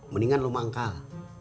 mendingan lu manggal